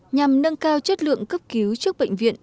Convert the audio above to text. nhằm nâng cao chất lượng cấp cứu trước bệnh viện